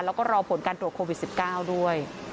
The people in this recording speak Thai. แล้วก็รอผลการตรวจโควิด๑๙ด้วย